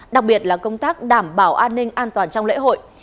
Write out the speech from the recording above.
đặc biệt là công tác đảm bảo an ninh an toàn trong lễ hội